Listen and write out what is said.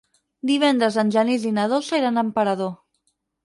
Divendres en Genís i na Dolça iran a Emperador.